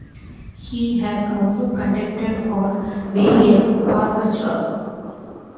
He has also conducted for various orchestras.